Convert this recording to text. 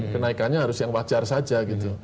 kenaikannya harus yang wajar saja gitu